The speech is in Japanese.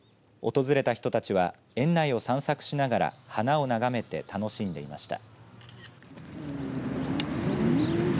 訪れた人たちは園内を散策しながら花を眺めて楽しんでいました。